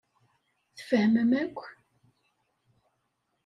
Tfehmem akk?